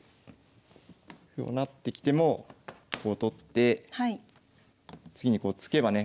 歩を成ってきてもこう取って次にこう突けばね